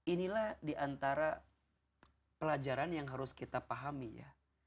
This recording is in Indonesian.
inilah di antara pelajaran yang harus kita pahami ya